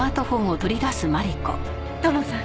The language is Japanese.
土門さん？